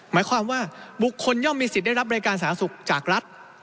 หมายความว่าบุคคลย่อมมีสิทธิ์ได้รับบริการสาธารณสุขจากรัฐ